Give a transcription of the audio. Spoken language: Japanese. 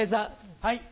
はい。